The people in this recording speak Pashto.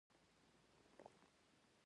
له کاتبه تر کمپوزره